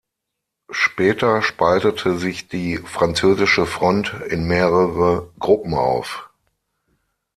Später spaltete sich die französische Front in mehrere Gruppen auf.